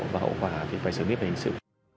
và hậu quả thì phải xử lý về hình sự